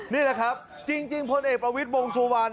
นี่แหละครับจริงพลเอกประวิทย์วงสุวรรณ